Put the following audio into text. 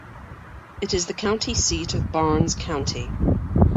It is the county seat of Barnes County.